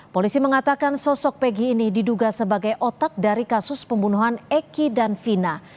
polisi mengatakan sosok pegi ini diduga sebagai otak dari kasus pembunuhan eki dan vina